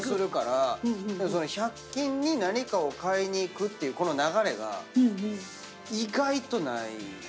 でも１００均に何かを買いに行くっていうこの流れが意外とないね。